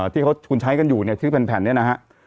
ที่คุณใช้กันอยู่ที่เป็นแผ่นนี้นะครับ